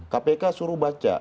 kpk suruh baca